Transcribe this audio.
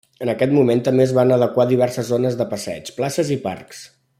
En aquest moment també es van adequar diverses zones de passeig, places i parcs.